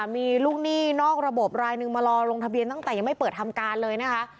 มีลูกหนี้นอกระบบรายหนึ่งมารอลงทะเบียนตั้งแต่ยังไม่เปิดทำการเลยนะคะ